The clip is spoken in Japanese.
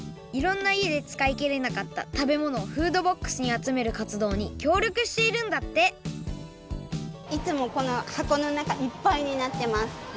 いろんないえでつかいきれなかった食べ物をフードボックスにあつめるかつどうにきょうりょくしているんだっていつもこのはこのなかいっぱいになってます。